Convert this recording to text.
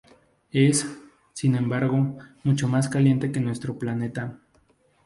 Es, sin embargo, mucho más caliente que nuestro planeta.